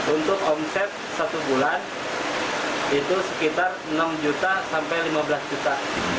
untuk omset satu bulan itu sekitar enam juta sampai lima belas juta